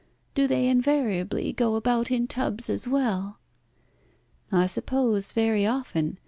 Do they invariably go about in tubs as well?" "I suppose very often.